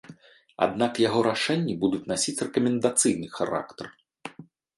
Аднак яго рашэнні будуць насіць рэкамендацыйны характар.